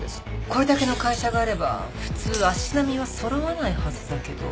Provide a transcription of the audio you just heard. これだけの会社があれば普通足並みは揃わないはずだけど。